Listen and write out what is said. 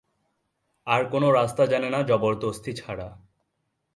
আর কোনো রাস্তা জানে না জবরদস্তি ছাড়া।